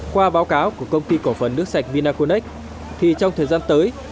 qua báo cáo của công ty cổ phần nước sạch vinaconex thì trong thời gian tới